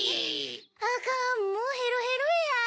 アカンもうヘロヘロや。